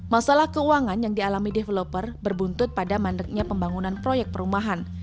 masalah keuangan yang dialami developer berbuntut pada mandeknya pembangunan proyek perumahan